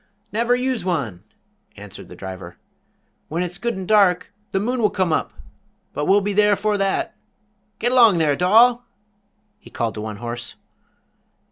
"Never use one," answered the driver. "When it's good and dark the moon will come up, but we'll be there 'fore that. Get 'long there, Doll!" he called to one horse.